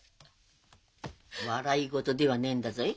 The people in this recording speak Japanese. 笑い事ではねえんだぞい。